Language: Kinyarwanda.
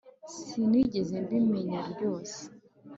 sinigeze mbimenya ryose